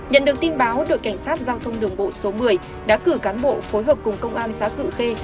nhận được tin báo đội cảnh sát giao thông đồng bộ số một mươi đã cử cán bộ phối hợp cùng công an xá cử khê